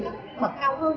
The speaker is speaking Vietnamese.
là giáo dục môi trường